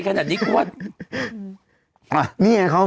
ไปจากนี้กว่า